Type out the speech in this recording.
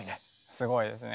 すごいですね。